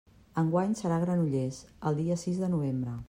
Enguany serà a Granollers, el dia sis de novembre.